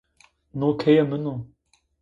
No keyê mıno.